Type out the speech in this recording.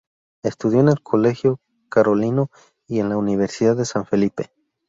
Estudió en el Colegio Carolino y en la Universidad de San Felipe.